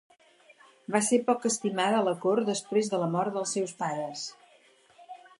Va ser poc estimada a la cort després de la mort dels seus pares.